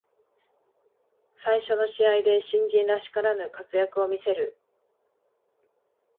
最初の試合で新人らしからぬ活躍を見せる